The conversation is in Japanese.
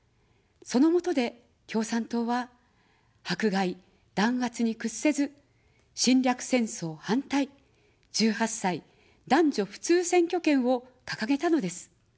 そのもとで、共産党は迫害、弾圧に屈せず、「侵略戦争反対」、「１８歳男女普通選挙権」をかかげたのです。